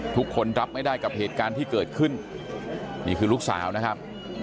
ทุกคนรับไม่ได้กับเหตุการณ์ที่เกิดขึ้นนี่คือลูกสาวนะครับ